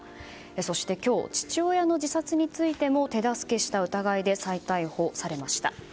そして、今日父親の自殺についても手助けした疑いで再逮捕されました。